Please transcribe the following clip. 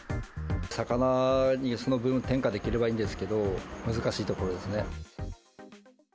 魚にその分、転嫁できればいいんですけど、難しいところですね。